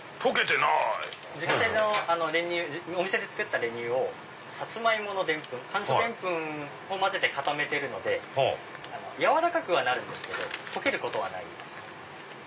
自家製のお店で作った練乳をサツマイモの澱粉甘藷澱粉を混ぜて固めてるので軟らかくはなるんですけど溶けることはないんです。